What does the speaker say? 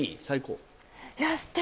最高？